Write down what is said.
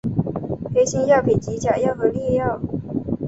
黑心药品即假药和劣药。